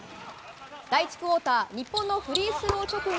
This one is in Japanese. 第１クオーター日本のフリースロー直後